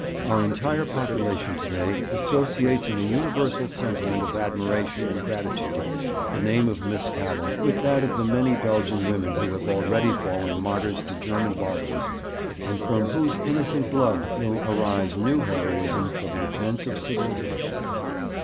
Our entire population to day associates in a universal sentiment of admiration and gratitude the name of Miss Cavell with that of the many Belgian women who have already fallen martyrs to German barbarism, and from whose innocent blood will arise new heroism for the defence of civilization.'